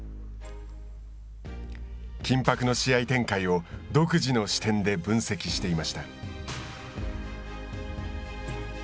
緊迫の試合展開を独自の視点で分析していました。